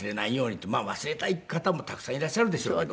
忘れたい方もたくさんいらっしゃるでしょうけど。